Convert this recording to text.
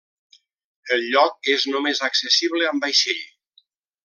El lloc és només accessible amb vaixell.